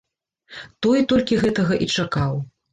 Той толькі гэтага і чакаў.